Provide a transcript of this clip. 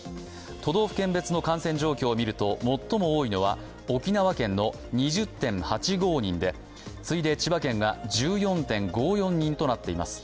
都道府県別の感染状況を見ると最も多いのは沖縄県の２０．８５人で、次いで千葉県が１４．５４人となっています。